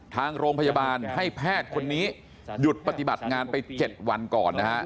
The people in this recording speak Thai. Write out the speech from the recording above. ทางโรงพยาบาลให้แพทย์คนนี้หยุดปฏิบัติงานไป๗วันก่อนนะฮะ